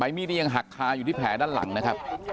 มีดนี่ยังหักคาอยู่ที่แผลด้านหลังนะครับ